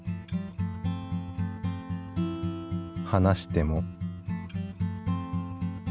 離しても。